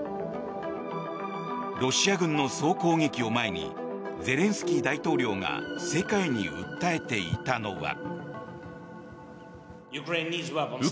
ロシア軍の総攻撃を前にゼレンスキー大統領が世界に訴えていたのは。